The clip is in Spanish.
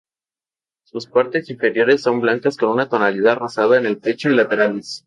Sus partes inferiores son blancas con una tonalidad rosada en el pecho y laterales.